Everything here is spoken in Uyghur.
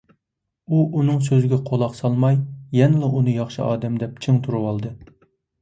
ئۇ ئۇنىڭ سۆزىگە قۇلاق سالماي، يەنىلا ئۇنى ياخشى ئادەم دەپ چىڭ تۇرۇۋالدى.